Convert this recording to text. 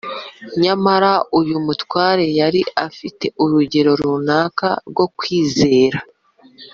Nyamara uyu mutware yari afite urugero runaka rwo kwizera